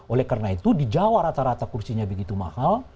oleh karena itu di jawa rata rata kursinya begitu mahal